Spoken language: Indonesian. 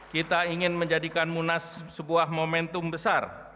kita ingin menjadikan munas sebuah momentum besar